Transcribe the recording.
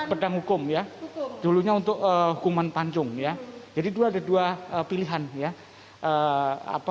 pedang hukum ya dulunya untuk hukuman panjung ya jadi ada dua pilihan ya